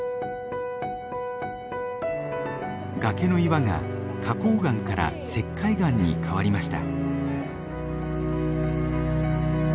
崖の岩が花崗岩から石灰岩に変わりました。